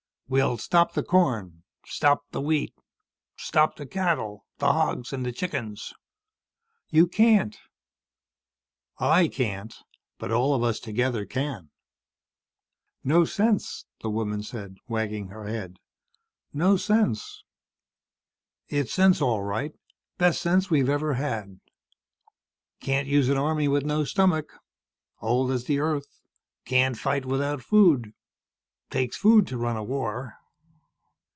"We'll stop the corn. Stop the wheat. Stop the cattle, the hogs, the chickens." "You can't." "I can't. But all of us together can." "No sense," the woman said, wagging her head. "No sense." "It's sense, all right. Best sense we've ever had. Can't use an army with no stomach. Old as the earth. Can't fight without food. Takes food to run a war."